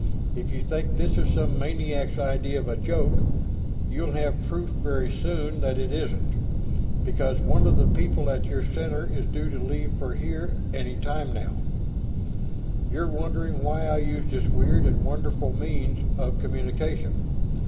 If you think this is some maniac's idea of a joke, you'll have proof very soon that it isn't, because one of the people at your Center is due to leave for here any time now. You're wondering why I used this weird and wonderful means of communication.